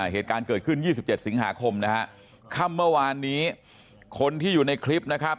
เหตุการณ์เกิดขึ้น๒๗สิงหาคมนะฮะค่ำเมื่อวานนี้คนที่อยู่ในคลิปนะครับ